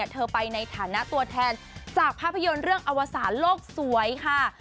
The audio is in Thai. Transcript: เธอไปในฐานะตัวแทนจากภาพยนตร์เรื่องอวสารโลกสวยค่ะ